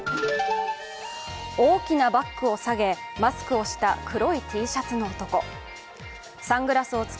大きなバッグを提げ、マスクをした黒いＴシャツの男。